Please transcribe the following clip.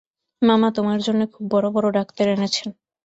মামা তোমার জন্যে খুব বড়-বড় ডাক্তার এনেছেন।